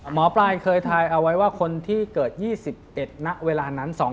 หมอปลายเคยทายเอาไว้ว่าคนที่เกิด๒๑ณเวลานั้น